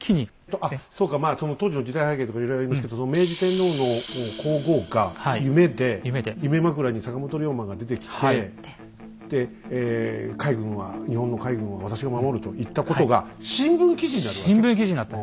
ああそうかその当時の時代背景とかいろいろありますけど明治天皇の皇后が夢で夢枕に坂本龍馬が出てきてで海軍は日本の海軍は私が守ると言ったことが新聞記事になるわけ？